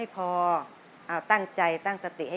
เขาทางวัดไงฮะ